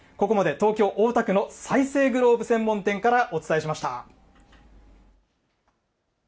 ここまで東京・大田区の再生グローブ専門店からお伝えしました。